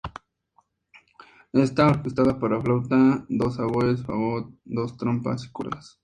Está orquestada para flauta, dos oboes, fagot, dos trompas y cuerdas.